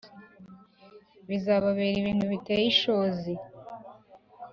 Bizababera ibintu biteye ishozi .